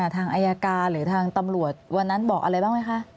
ทางอายการหรือทางตำรวจวันนั้นบอกอะไรบ้างไหมคะ